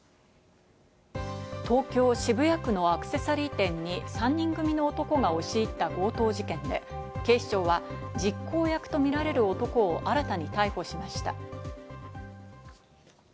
東京・渋谷区のアクセサリー店に３人組の男が押し入った強盗事件で、警視庁は実行役とみられる男を新たに逮捕しました。